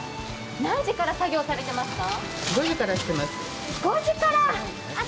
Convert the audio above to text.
何時から作業されてますか？